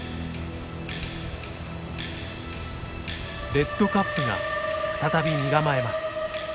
レッドカップが再び身構えます。